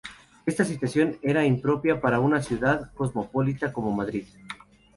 Esta situación era impropia para una ciudad cosmopolita como Madrid.